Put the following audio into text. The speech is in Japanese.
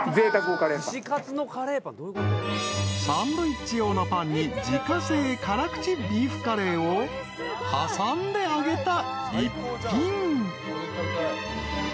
［サンドイッチ用のパンに自家製辛口ビーフカレーを挟んで揚げた一品］